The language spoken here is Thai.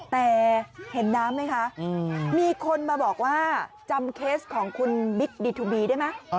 แต่เห็นน้ำไหมคะมีคนมาบอกว่าจำเคสของคุณบิ๊กดิทูบีได้ไหม